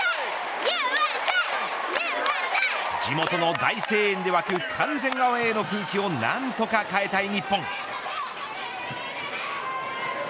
地元の大声援で沸く完全アウェーの空気を何とか変えたい日本。